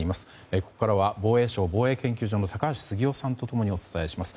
ここからは防衛省防衛研究所の高橋杉雄さんとお伝えします。